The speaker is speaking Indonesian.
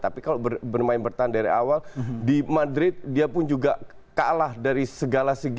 tapi kalau bermain bertahan dari awal di madrid dia pun juga kalah dari segala segi